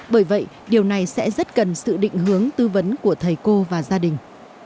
bởi vậy điều này sẽ rất cần sự định hướng tư vấn của thầy cô và gia đình